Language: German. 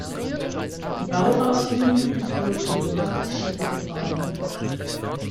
Die Bauausführung erfolgte im Taktschiebeverfahren.